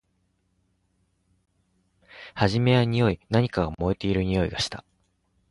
はじめはにおい。何かが燃えているにおいがした。